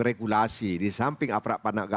regulasi di samping aprak aprak